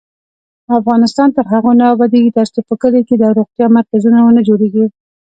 افغانستان تر هغو نه ابادیږي، ترڅو په کلیو کې د روغتیا مرکزونه ونه جوړیږي.